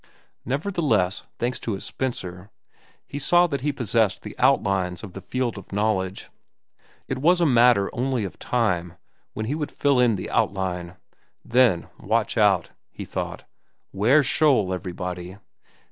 Nevertheless, thanks to his Spencer, he saw that he possessed the outlines of the field of knowledge. It was a matter only of time, when he would fill in the outline. Then watch out, he thought—'ware shoal, everybody!